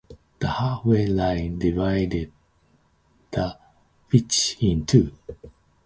The "half-way line" divides the pitch in two.